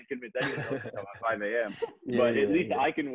tapi setidaknya gue bisa bangun dan belajar